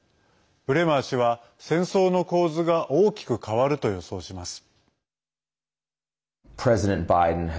ブレマー氏は戦争の構図が大きく変わると予想します。